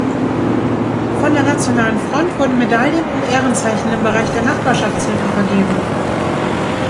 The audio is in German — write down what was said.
Von der Nationalen Front wurden Medaillen und Ehrenzeichen im Bereich der Nachbarschaftshilfe vergeben.